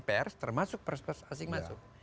pers termasuk pers pers asing masuk